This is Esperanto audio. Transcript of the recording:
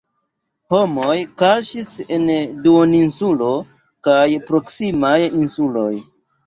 Homoj kaŝis en duoninsulo kaj proksimaj insuloj.